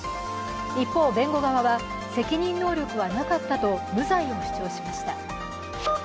一方、弁護側は責任能力はなかったと無罪を主張しました。